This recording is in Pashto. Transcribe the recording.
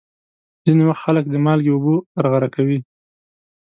ځینې وخت خلک د مالګې اوبه غرغره کوي.